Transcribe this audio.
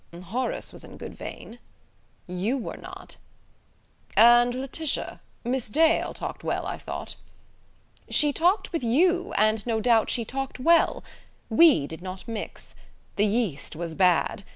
"Horace was in good vein." "You were not." "And Laetitia Miss Dale talked well, I thought." "She talked with you, and no doubt she talked well. We did not mix. The yeast was bad.